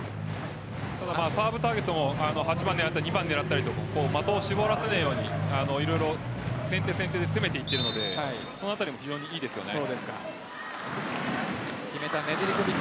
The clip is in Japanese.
サーブターゲットも８番を狙ったり２番を狙ったり的を絞らせないように色々、先手先手で攻めていっているのでそのあたりも非常にいいですよね。